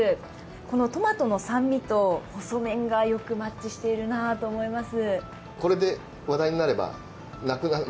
このトマトの酸味と細麺がよくマッチしているなと思います。